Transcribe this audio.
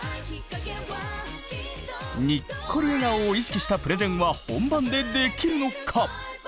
にっこり笑顔を意識したプレゼンは本番でできるのか？